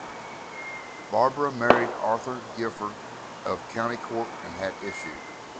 Barbara married Arthur Gifford of County Cork and had issue.